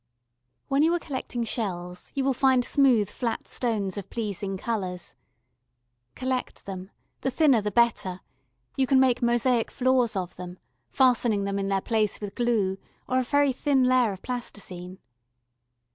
When you are collecting shells, you will find smooth flat stones of pleasing colours. Collect them the thinner the better you can make mosaic floors of them, fastening them in their place with glue or a very thin layer of Plasticine.